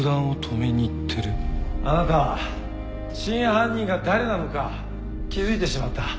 あなたは真犯人が誰なのか気付いてしまった。